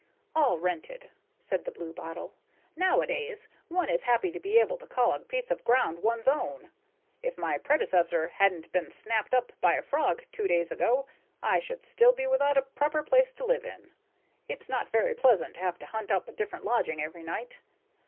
"All rented," said the blue bottle. "Now a days one is happy to be able to call a piece of ground one's own. If my predecessor hadn't been snapped up by a frog two days ago, I should still be without a proper place to live in. It's not very pleasant to have to hunt up a different lodging every night.